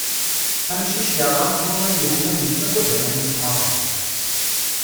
Amcic yerɣan s waman yeḥman yettaggad aman isemmaden.